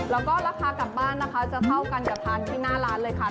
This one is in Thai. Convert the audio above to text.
แล้วก็ราคากลับบ้านนะคะจะเท่ากันกับทานที่หน้าร้านเลยค่ะ